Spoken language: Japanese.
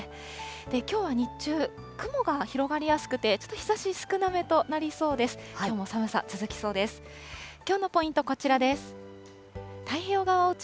きょうは日中、雲が広がりやすくて、日ざし少なめとなりそうです。